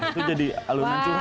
itu jadi alunan curhat